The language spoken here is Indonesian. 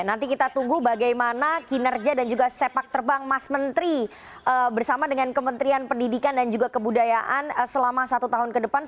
nanti kita tunggu bagaimana kinerja dan juga sepak terbang mas menteri bersama dengan kementerian pendidikan dan juga kebudayaan selama satu tahun ke depan